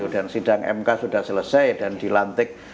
dan sidang mk sudah selesai dan dilantik